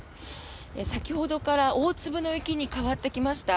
先ほどから大粒の雪に変わってきました。